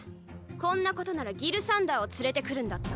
こんなことならギルサンダーを連れてくるんだった。